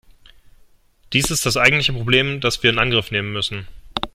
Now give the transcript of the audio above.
Dies ist das eigentliche Problem, das wir in Angriff nehmen müssen.